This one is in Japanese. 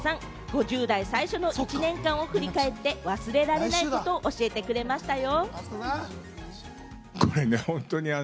５０代最初の１年間を振り返って忘れられないことを教えてくれましたよ。